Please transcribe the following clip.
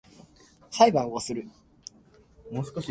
裁判をする